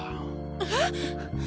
えっ！？